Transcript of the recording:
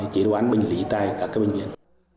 chỉ đoán bệnh lý tại các cái bệnh viện